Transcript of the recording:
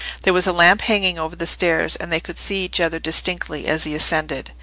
There was a lamp hanging over the stairs, and they could see each other distinctly as he ascended.